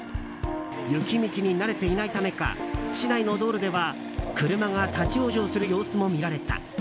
雪道に慣れていないためか市内の道路では車が立ち往生する様子も見られた。